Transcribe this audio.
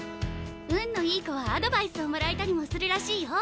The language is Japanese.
運のいい子はアドバイスをもらえたりもするらしいよ。